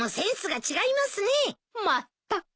まったく。